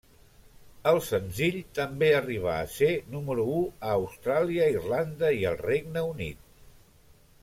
El senzill també arribà a ser número u a Austràlia, Irlanda i al Regne Unit.